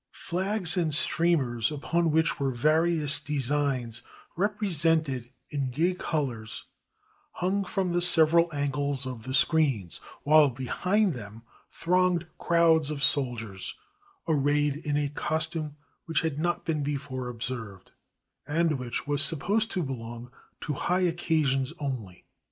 Flags and streamers, upon which were various designs represented in gay colors, himg from the several angles of the screens, while behind them thronged crowds of soldiers, arrayed in a costume which had not been be fore observed, and which was supposed to belong to high occasions only.